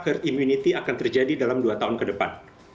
herd immunity akan terjadi dalam dua tahun ke depan